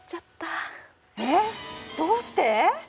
えっどうして！？